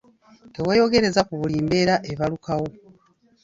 Teweeyogereza ku buli mbeera ebalukawo.